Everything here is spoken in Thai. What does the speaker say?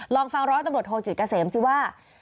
ลองฟังร้อยตำรวจโทจิตเกษมสิว่า